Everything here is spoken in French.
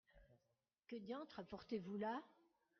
Que diantre apportez-vous là ?